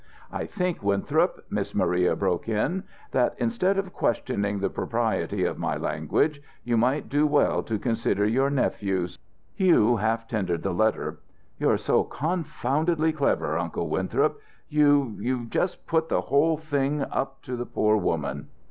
"I think, Winthrop," Miss Maria broke it, "that instead of questioning the propriety of my language, you might do well to consider your nephew's." Hugh half tendered the letter. "You're so confoundedly clever. Uncle Winthrop. You you just put the whole thing up to the poor woman.